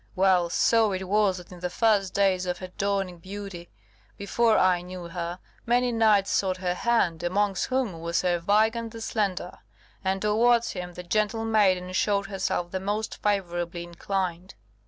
Well, so it was, that in the first days of her dawning beauty, before I knew her, many knights sought her hand, amongst whom was Sir Weigand the Slender; and towards him the gentle maiden showed herself the most favourably inclined.